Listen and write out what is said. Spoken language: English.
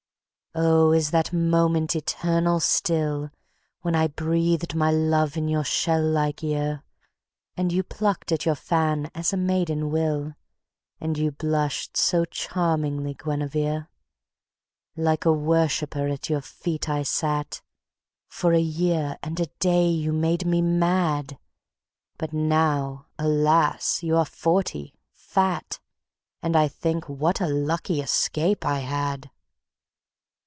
Oh, is that moment eternal still When I breathed my love in your shell like ear, And you plucked at your fan as a maiden will, And you blushed so charmingly, Guenivere? Like a worshiper at your feet I sat; For a year and a day you made me mad; But now, alas! you are forty, fat, And I think: What a lucky escape I had!